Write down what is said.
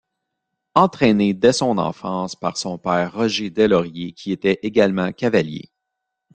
Entraîné dès son enfance par son père Roger Deslauriers qui était également cavalier.